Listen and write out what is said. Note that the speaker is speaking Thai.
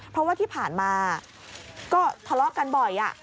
เพราะว่าที่ผ่านมาก็ทะเลาะกันบ่อย